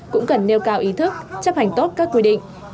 cũng cần nêu cao ý thức chấp hành tốt các quy định